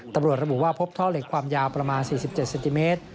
ตำรวจระบุว่าพบท่อเหล็กความยาวประมาณ๔๗เซนติเมตร